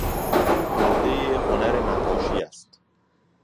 او مرده هنر نقاشی است.